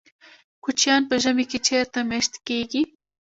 کوچیان په ژمي کې چیرته میشت کیږي؟